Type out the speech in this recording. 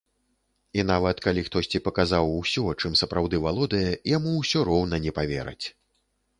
І нават калі хтосьці паказаў усё, чым сапраўды валодае, яму ўсё роўна не павераць.